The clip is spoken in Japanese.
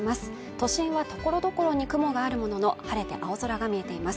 都心はところどころに雲があるものの晴れて青空が見えています